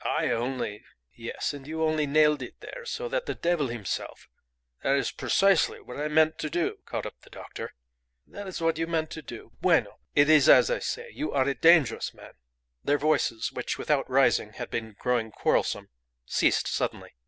"I only " "Yes. And you only nailed it there so that the devil himself " "That is precisely what I meant to do," caught up the doctor. "That is what you meant to do. Bueno. It is as I say. You are a dangerous man." Their voices, which without rising had been growing quarrelsome, ceased suddenly.